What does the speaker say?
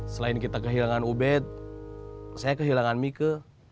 selain kita kehilangan ubet saya kehilangan mieke